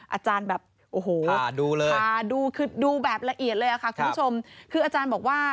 อาจารย์แบบโอ้โหดูคือดูแบบละเอียดเลยค่ะคุณผู้ชมคืออาจารย์บอกว่า